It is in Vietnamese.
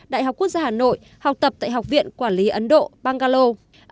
đại học quốc gia hà nội học tập tại học viện quản lý ấn độ bangalo